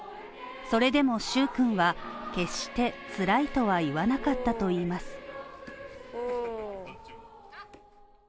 それでも蹴君は決してつらいとは言わなかったといいます。